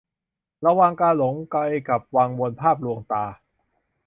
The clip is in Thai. ระวังการหลงไปกับวังวนภาพลวงตา